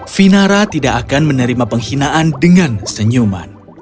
vinara tidak akan menerima penghinaan dengan senyuman